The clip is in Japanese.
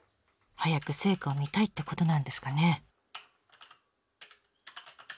早く成果を見たいってことなんですかね。